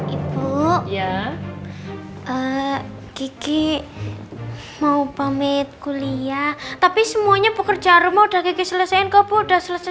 ibu ya eh kiki mau pamit kuliah tapi semuanya pekerja rumah udah selesain kau udah selesai